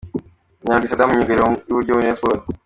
Nyandwi Saddam myugariro w'iburyo muri Rayon Sports.